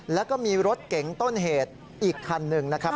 แล้วก็มีรถเก๋งต้นเหตุอีกคันหนึ่งนะครับ